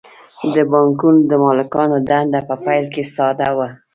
د بانکونو د مالکانو دنده په پیل کې ساده وه